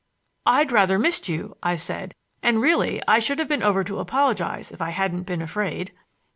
"I'd rather missed you," I said; "and, really, I should have been over to apologize if I hadn't been afraid."